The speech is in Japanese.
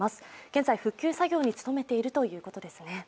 現在、復旧作業に努めているということですね。